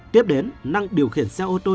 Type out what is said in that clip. tiếp đến năng điều khiển xe ô tô